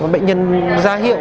bệnh nhân ra hiệu